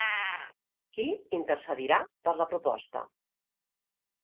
Qui intercedirà per la proposta?